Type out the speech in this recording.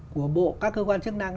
của bộ các cơ quan chức năng